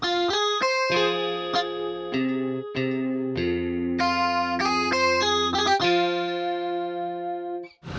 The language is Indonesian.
hai begitu caranya belanja belanja